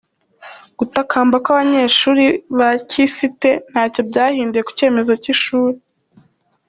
Gutakamba kw’abanyeshuri ba kisite ntacyo byahinduye ku cyemezo cy’ishuri